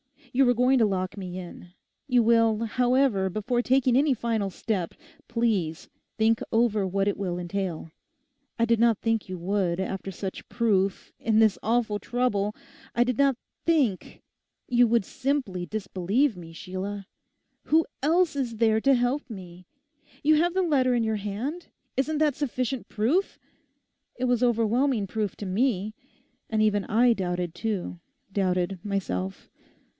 You were going to lock me in. You will, however, before taking any final step, please think over what it will entail. I did not think you would, after such proof, in this awful trouble—I did not think you would simply disbelieve me, Sheila. Who else is there to help me? You have the letter in your hand. Isn't that sufficient proof? It was overwhelming proof to me. And even I doubted too; doubted myself.